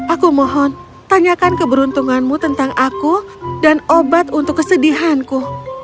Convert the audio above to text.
aku mohon tanyakan keberuntunganmu tentang aku dan obat untuk kesedihanku